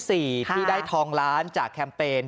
ที่ได้ทองล้านจากแคมเปญ